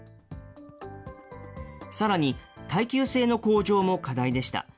さらに、耐久性の向上も課題でした。